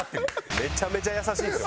めちゃめちゃ優しいんですよ。